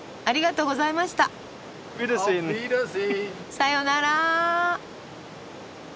さよなら。